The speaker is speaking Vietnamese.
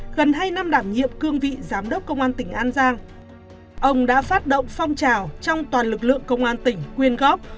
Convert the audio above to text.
gần hai năm đảm nhiệm cương vị giám đốc công an tỉnh an giang ông đã phát động phong trào trong toàn lực lượng công an tỉnh quyên góp